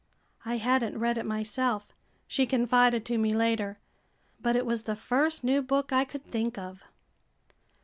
"I had n't read it myself," she confided to me later, "but it was the first new book I could think of!"